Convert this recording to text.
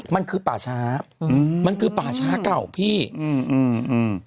มันคือป่าช้าอืมมันคือป่าช้าเก่าพี่อืมอืม